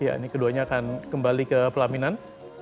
ya ini keduanya akan kembali ke pelaminan